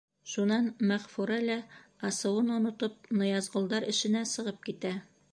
Шунан Мәғфүрә лә, асыуын онотоп, Ныязғолдар эшенә сығып китә.